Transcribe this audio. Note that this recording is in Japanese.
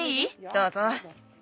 どうぞ。